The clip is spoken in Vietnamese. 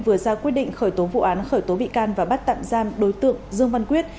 vừa ra quyết định khởi tố vụ án khởi tố bị can và bắt tạm giam đối tượng dương văn quyết